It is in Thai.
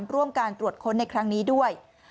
ร่วมการตรวจค้นในครั้งนี้ด้วย